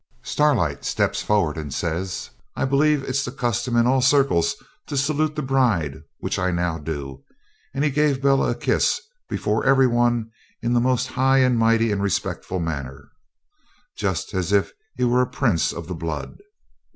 Starlight steps forward and says, 'I believe it's the custom in all circles to salute the bride, which I now do,' and he gave Bella a kiss before every one in the most high and mighty and respectful manner, just as if he was a prince of the blood.